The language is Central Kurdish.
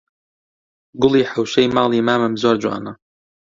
گوڵی حەوشەی ماڵی مامم زۆر جوانە